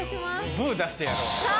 ブ出してやろう。